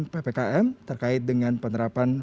ppkm terkait dengan penerapan